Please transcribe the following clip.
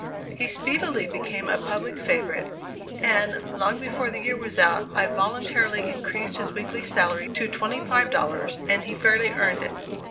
He speedily became a public favorite, and, long before the year was out, I voluntarily increased his weekly salary to twenty five dollars, and he fairly earned it.